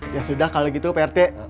ya sudah kalau gitu prt